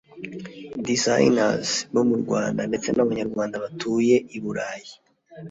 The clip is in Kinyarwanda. designers) bo mu Rwanda ndetse n’abanyarwanda batuye i Burayi